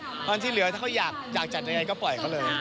เพราะฉะนั้นที่เหลือถ้าเขาอยากจัดอย่างไรก็ปล่อยเขาเลย